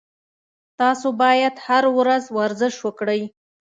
تاسو باید هر ورځ ورزش وکړئ